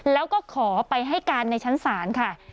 แล้วก็ขอไปให้การในชั้นศาลค่ะ